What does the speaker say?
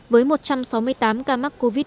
với một trăm sáu mươi tám ca mắc covid một mươi chín